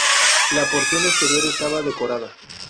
La porción exterior estaba decorada.